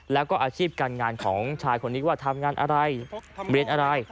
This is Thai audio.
แล้วก็อาชีพการงานของชายคนนี้ว่าทำงานอะไรเรียนอะไร